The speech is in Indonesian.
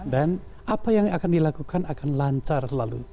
dan apa yang akan dilakukan akan lancar selalu